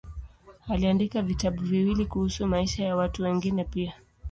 Aliandika vitabu viwili kuhusu maisha ya watu wengine pia.